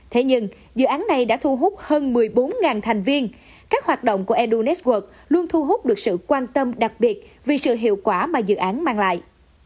thế nhưng dự án này đã thu hút hơn một mươi bốn thành viên các hoạt động của edunes quật luôn thu hút được sự quan tâm đặc biệt vì sự hiệu quả mà dự án mang lại